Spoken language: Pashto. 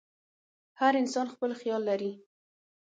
هر انسان خپل خیال لري.